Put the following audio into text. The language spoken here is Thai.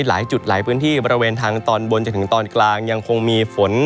หลายจุดหลายพื้นที่บริเวณทางตอนบนจนถึงตอนกลางยังคงมีฝน